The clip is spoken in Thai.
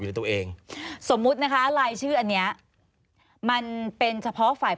ตัวเองสมมุตินะคะรายชื่ออันเนี้ยมันเป็นเฉพาะฝ่าย